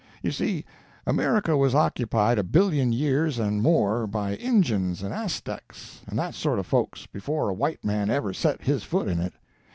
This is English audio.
You see, America was occupied a billion years and more, by Injuns and Aztecs, and that sort of folks, before a white man ever set his foot in it.